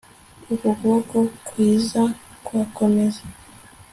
Uku kuboko kwiza kwakomeza